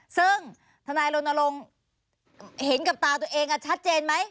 ซึ่งทนายรณรงค์เห็นกับตาตัวเองชัดเจนไหม